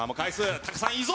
タカさんいいぞ！